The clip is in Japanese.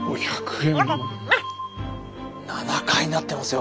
７回なってますよ！